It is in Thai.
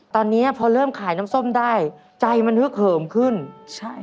ตอนนี้พอเริ่มขายน้ำส้มได้ใจมันฮึกเหิมขึ้นใช่